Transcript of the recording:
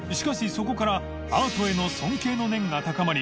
そこからアートへの尊敬の念が高まり愼Ⅳ